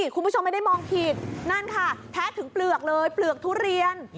คุณผู้ชมไม่ได้มองผิดนั่นค่ะแทะถึงเปลือกเลยเปลือกทุเรียน